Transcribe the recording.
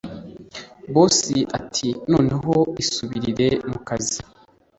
boss ati noneho isubirire mukazi